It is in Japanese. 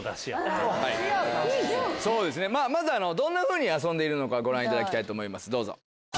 まずどんなふうに遊んでいるのかご覧いただきたいと思います。